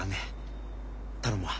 頼むわ。